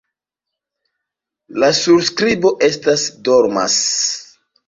La surskribo estas: "dormas".